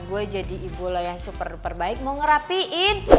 gue jadi ibu lo yang super super baik mau ngerapiin